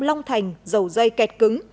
long thành dầu dây kẹt cứng